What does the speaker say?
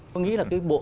tôi nghĩ là cái bộ